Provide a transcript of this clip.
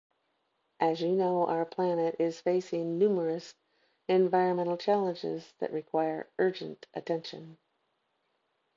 As you know, our planet is facing numerous environmental challenges that require urgent attention.